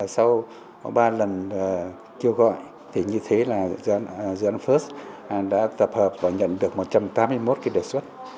sau ba lần kêu gọi dự án first đã tập hợp và nhận được một trăm tám mươi một đề xuất